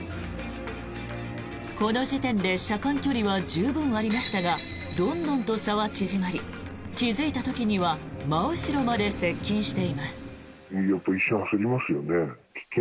この時点で車間距離は十分ありましたがどんどんと差は縮まり気付いた時には真後ろまで接近しています。